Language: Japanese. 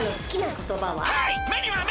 はい！